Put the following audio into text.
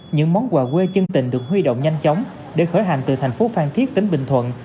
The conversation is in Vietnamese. những món quà quê chân tình được huy động nhanh chóng để khởi hành từ thành phố phan thiết tỉnh bình thuận